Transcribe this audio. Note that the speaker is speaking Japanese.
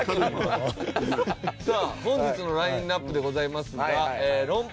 さあ本日のラインアップでございますが論破